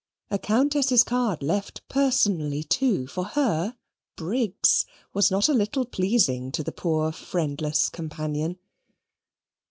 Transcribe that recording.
A Countess's card left personally too for her, Briggs, was not a little pleasing to the poor friendless companion.